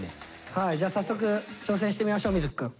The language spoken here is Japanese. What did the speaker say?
じゃあ早速挑戦してみましょう瑞稀くん。